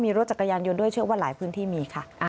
มีรถจักรยานยนต์ด้วยเชื่อว่าหลายพื้นที่มีค่ะ